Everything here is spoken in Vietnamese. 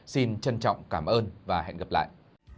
xin trân trọng cảm ơn và hẹn gặp lại